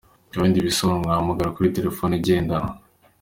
Ku bindi bisobanuro, mwahamagara kuri telefoni igendanwa :.